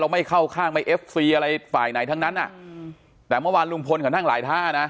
ไม่เข้าข้างไม่เอฟซีอะไรฝ่ายไหนทั้งนั้นอ่ะแต่เมื่อวานลุงพลเขานั่งหลายท่านะ